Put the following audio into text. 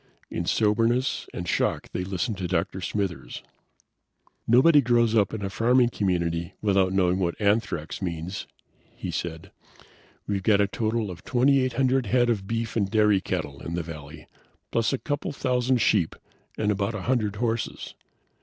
In soberness and shock they listened to Dr. Smithers. "Nobody grows up in a farming community without knowing what anthrax means," he said. "We've got a total of twenty eight hundred head of beef and dairy cattle in the valley, plus a couple of thousand sheep, and about a hundred horses.